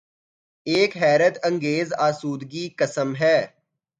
ایک حیرت انگیز آسودگی قسم ہے۔